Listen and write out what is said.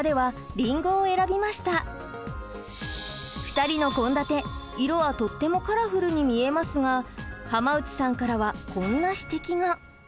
ふたりの献立色はとってもカラフルに見えますが浜内さんからはこんな指摘が。